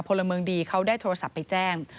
พลเมืองดีเขาได้โทรศัพท์ไปแจ้ง